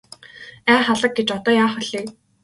Ай халаг гэж одоо яах билээ.